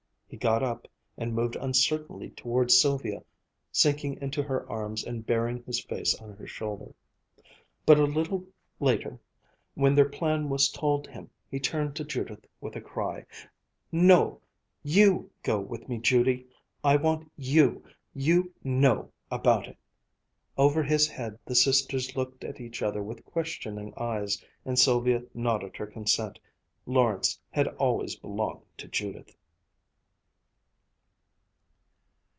He got up and moved uncertainly towards Sylvia, sinking into her arms and burying his face on her shoulder. But a little later when their plan was told him, he turned to Judith with a cry: "No, you go with me, Judy! I want you! You 'know' about it." Over his head the sisters looked at each other with questioning eyes; and Sylvia nodded her consent. Lawrence had always belonged to Judith.